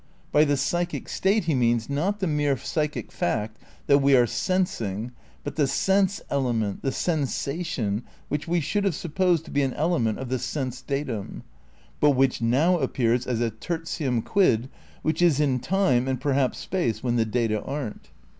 By the psychic state he means, not the mere psychic fact that we are sensing, but the sense element, the sensation which we should have supposed to be an element of the sense datum, but which now appears as a tertium quid which is "in time and perhaps space when the data aren't."